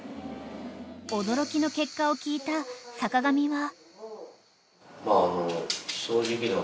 ［驚きの結果を聞いた坂上は］